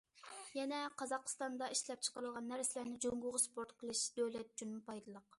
يەنە قازاقىستاندا ئىشلەپچىقىرىلغان نەرسىلەرنى جۇڭگوغا ئېكسپورت قىلىش دۆلەت ئۈچۈنمۇ پايدىلىق.